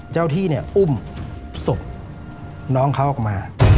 เจ้าที่อุ้มสบน้องเขาออกมา